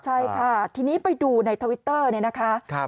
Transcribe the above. ใช่ค่ะทีนี้ไปดูในทวิตเตอร์เนี่ยนะคะ